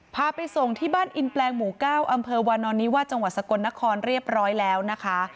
พาไปส่งที่บ้านอินแปลงหมู่๙อำเภอวานอนนิวาจังหวัดสกลนครเรียบร้อยแล้วนะคะ